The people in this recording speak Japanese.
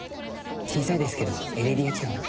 小さいですけどエレディア地方に。